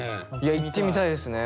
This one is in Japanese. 行ってみたいですね。